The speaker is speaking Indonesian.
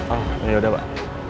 oh yaudah pak